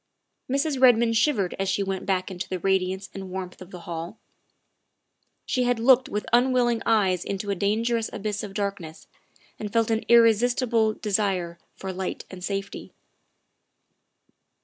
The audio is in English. Mrs. Redmond shivered as she went back into the radiance and warmth of the hall. She had looked with unwilling eyes into a dangerous abyss of darkness and felt an irresistible desire for light and safety.